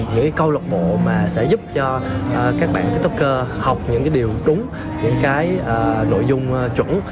những câu lọc bộ sẽ giúp cho các bạn tiktoker học những điều đúng những nội dung chuẩn